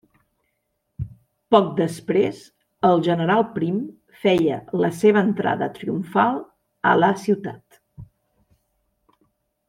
Poc després el general Prim feia la seva entrada triomfal a la ciutat.